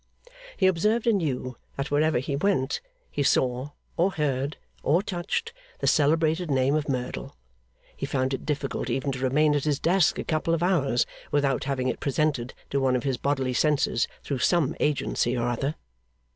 He observed anew that wherever he went, he saw, or heard, or touched, the celebrated name of Merdle; he found it difficult even to remain at his desk a couple of hours, without having it presented to one of his bodily senses through some agency or other.